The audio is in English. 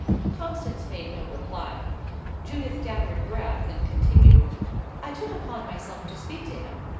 Constance made no reply. Judith gathered breath, and continued: "I took upon myself to speak to him.